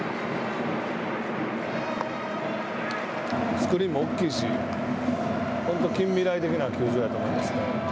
スクリーンも大きいし、本当、近未来的な球場やと思います。